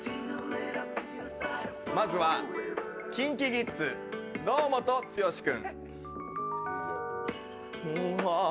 まずはＫｉｎＫｉＫｉｄｓ、堂本剛君。